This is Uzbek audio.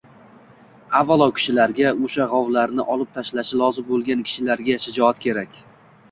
Avvalo kishilarga o‘sha g‘ovlarni olib tashlashi lozim bo‘lgan kishilarga shijoat kerak.